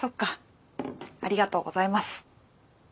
ありがとうございます。